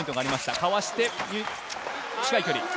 かわして、近い距離。